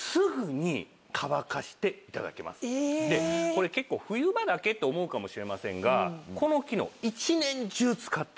これ結構冬場だけって思うかもしれませんがこの機能。